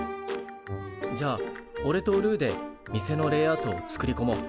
じゃあおれとルーで店のレイアウトを作りこもう。